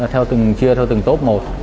theo từng chia theo từng tốp một